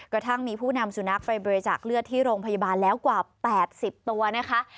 กระทั่งมีผู้นำสุนัขไปบริจาคเลือดที่โรงพยาบาลแล้วกว่า๘๐ตัวนะคะ